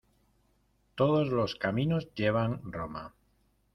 Todos los caminos llevan Roma.